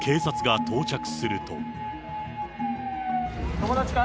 友達か？